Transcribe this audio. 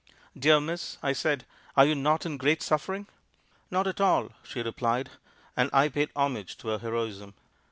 "'Dear miss,' I said, 'are you not in great suffering?' 'Not at all,' she replied, and I paid homage to her heroism.